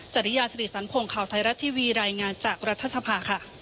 จริยาสิริสันพงศ์ข่าวไทยรัฐทีวีรายงานจากรัฐสภาค่ะ